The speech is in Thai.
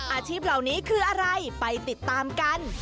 อาชีพเหล่านี้คืออะไรไปติดตามกัน